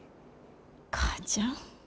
母ちゃん。